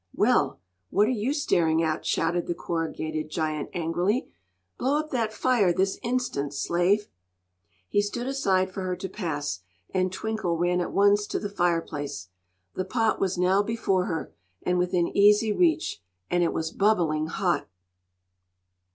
"Well, what are you staring at?" shouted the Corrugated Giant, angrily. "Blow up that fire this instant, slave!" He stood aside for her to pass, and Twinkle ran at once to the fireplace. The pot was now before her, and within easy reach, and it was bubbling hot.